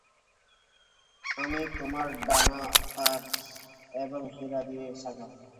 আমি তোমার ডানা তারা এবং হীরা দিয়ে সাজাব।